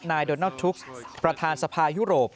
นายโดนัลดทุปประธานสภายุโรป